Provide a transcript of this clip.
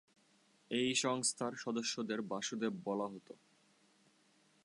এই সংস্থার সদস্যদের বাসুদেব বলা হত।